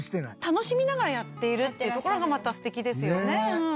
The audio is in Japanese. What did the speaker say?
楽しみながらやっているっていうところがまた素敵ですよね。